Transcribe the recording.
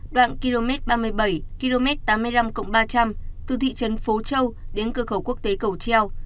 đoạn km ba mươi bảy km tám mươi năm ba trăm linh từ thị trấn phố châu đến cơ khẩu quốc tế cầu treo